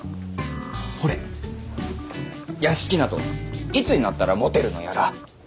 ほれ屋敷などいつになったら持てるのやら。